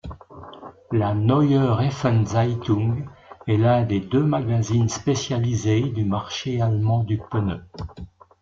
La Neue Reifenzeitung est l'un des deux magazines spécialisés du marché allemand du pneu.